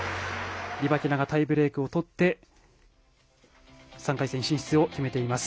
リバキナがタイブレークを取って３回戦進出を決めています。